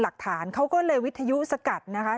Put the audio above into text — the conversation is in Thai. หลักฐานเขาก็เลยวิทยุสกัดนะคะ